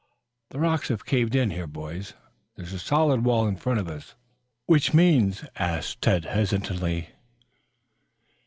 "The rocks have caved in, boys. There's a solid wall in front of us." "Which means," asked Tad hesitatingly.